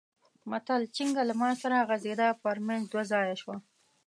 متل؛ چينګه له مار سره غځېده؛ پر منځ دوه ځايه شوه.